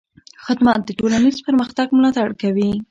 خدمت د ټولنیز پرمختګ ملاتړ کوي.